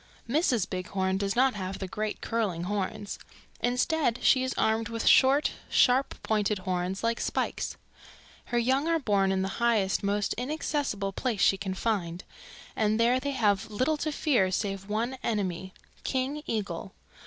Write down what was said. "Mrs. Bighorn does not have the great curling horns. Instead she is armed with short, sharp pointed horns, like spikes. Her young are born in the highest, most inaccessible place she can find, and there they have little to fear save one enemy, King Eagle.